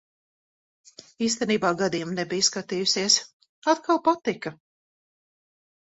Īstenībā gadiem nebiju skatījusies. Atkal patika.